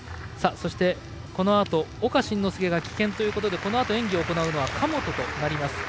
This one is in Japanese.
そして、岡慎之助が棄権ということでこのあと演技を行うのは神本となります。